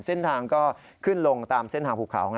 เส้นทางก็ขึ้นลงตามเส้นทางภูเขา